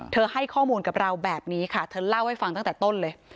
ให้ข้อมูลกับเราแบบนี้ค่ะเธอเล่าให้ฟังตั้งแต่ต้นเลย